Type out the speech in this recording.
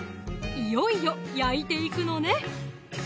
いよいよ焼いていくのね